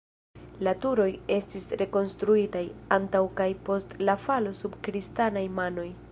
La turoj estis rekonstruitaj, antaŭ kaj post la falo sub kristanaj manoj.